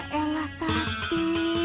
ya elah tati